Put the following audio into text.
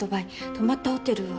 泊まったホテルは。